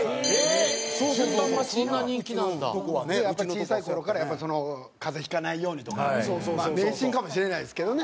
小さい頃からやっぱ風邪引かないようにとか迷信かもしれないですけどね。